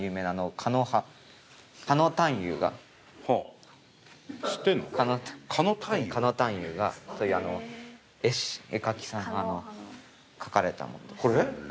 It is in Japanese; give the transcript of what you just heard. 狩野探幽という絵師絵描きさんが描かれたものです。